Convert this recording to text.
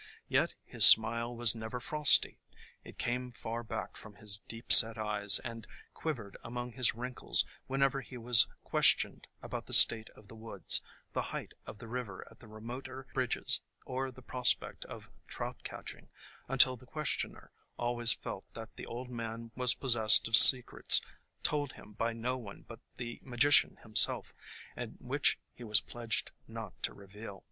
Yet his smile was never frosty. It came far back from his deep set eyes and quiv ered among his wrinkles whenever he was ques tioned about the state of the woods, the height of the river at the remoter bridges or the prospect of trout catching, until the questioner always felt that the old man was possessed of secrets told him by no one but the Magician himself, and which he was pledged not to reveal.